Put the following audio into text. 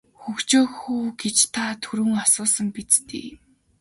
Хөгжөөх үү гэж та түрүүн асуусан биз дээ.